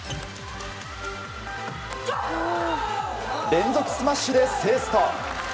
連続スマッシュで制すと。